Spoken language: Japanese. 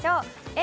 Ａ